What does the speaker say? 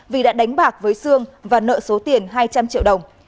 vì đã đánh bạc với sương và nợ số tiền hai trăm linh triệu đồng